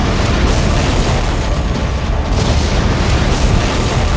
nebel itu think tadi